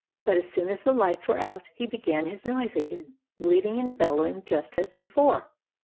But as soon as the lights were out, he began his noise again, bleating and bellowing just as before.